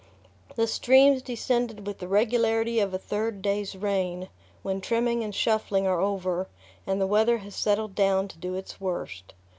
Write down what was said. The streams descended with the regularity of a third day's rain, when trimming and shuffling are over, and the weather has settled down to do its worst.